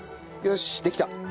よしできた。